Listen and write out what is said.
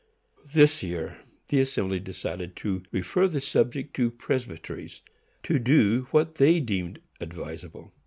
This year the Assembly decided to refer the subject to presbyteries, to do what they deemed advisable.